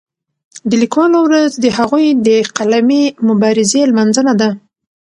د لیکوالو ورځ د هغوی د قلمي مبارزې لمانځنه ده.